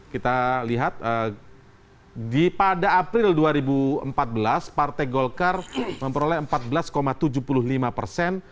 kita lihat pada april dua ribu empat belas partai golkar memperoleh empat belas tujuh puluh lima persen